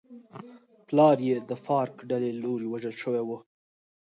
پلار یې د فارک ډلې له لوري وژل شوی و.